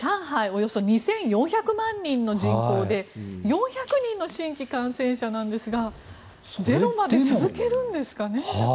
およそ２４００万人の人口で４００人の新規感染者なんですがゼロまで続けるんですかね？